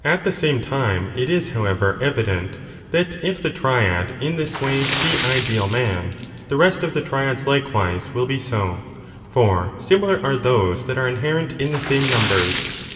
379 the same time it is, however, evident that, if the triad in this way \)e ideal man, the rest of the triads likewise will be so, for similar are those that are inherent in the same numbers.